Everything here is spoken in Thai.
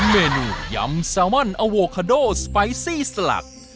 เมนูยำแซลมอนอโวคาโดสไปซี่สลัก